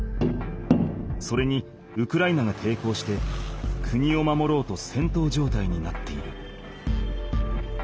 それにウクライナがていこうして国を守ろうとせんとう状態になっている。